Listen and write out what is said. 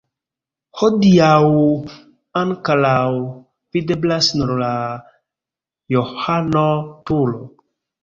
Hodiaŭ ankoraŭ videblas nur la Johano-turo.